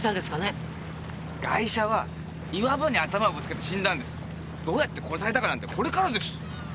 ガイシャは岩場に頭をぶつけて死んだんですどうやって殺されたかなんてこれからです